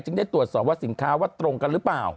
ได้ตรวจสอบว่าสินค้าว่าตรงกันหรือเปล่า